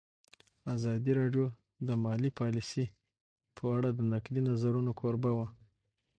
ازادي راډیو د مالي پالیسي په اړه د نقدي نظرونو کوربه وه.